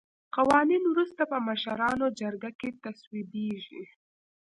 قوانین وروسته په مشرانو جرګه کې تصویبیږي.